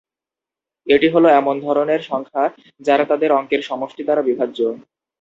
এটি হল এমন ধরনের সংখ্যা যারা তাদের অঙ্কের সমষ্টি দ্বারা বিভাজ্য।